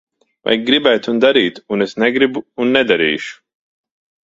Vajag gribēt un darīt. Un es negribu un nedarīšu.